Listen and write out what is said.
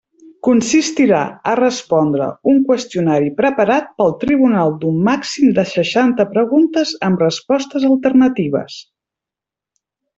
Consistirà a respondre un qüestionari preparat pel tribunal d'un màxim de seixanta preguntes amb respostes alternatives.